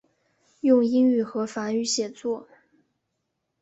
用英语和法语写作。